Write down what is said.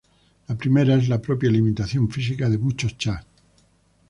La primera es la propia limitación física de muchos chats.